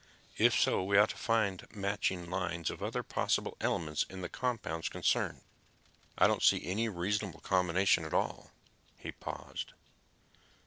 If so, we ought to find matching lines of other possible elements in the compounds concerned. I don't see any reasonable combination at all." He paused.